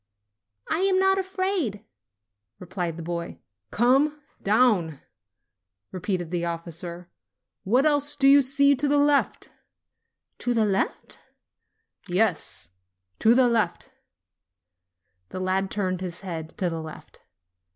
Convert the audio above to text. ; "I'm not afraid," replied the boy. "Come down!" repeated the officer. "What else do you see to the left ?" "To the left?" LITTLE VIDETTE OF LOMBARDY 51 "Yes, to the left." The lad turned his head to the left.